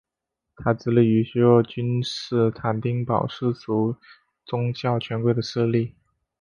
他致力于削弱君士坦丁堡世俗与宗教权贵的势力。